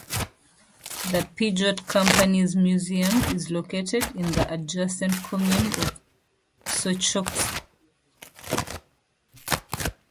The Peugeot company's museum is located in the adjacent commune of Sochaux.